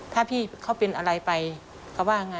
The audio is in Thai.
ถ้าพี่เขาเป็นอะไรไปเขาว่าไง